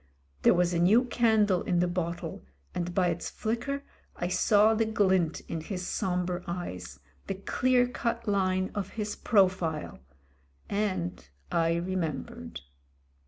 There was a new candle in the bottle, and by its flicker I saw the glint in his sombre eyes, the clear cut line of his profile. And I remembered.